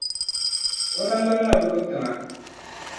O naŋgbani na bi lu tiŋa.